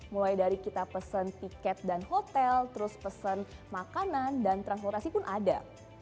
mulai dari kita pesen tiket dan hotel terus pesen makanan dan transportasi pun ada